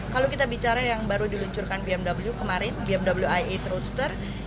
kalau kita bicara yang baru diluncurkan bmw kemarin bmw wia roadster